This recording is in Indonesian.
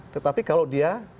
tetapi kalau dia